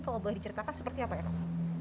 kalau boleh diceritakan seperti apa ya kang